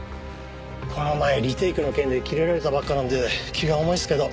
この前リテイクの件でキレられたばっかなんで気が重いっすけど。